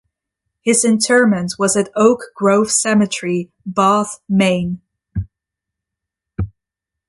His interment was at Oak Grove Cemetery, Bath, Maine.